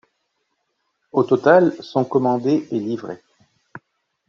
Au total, sont commandés et livrés.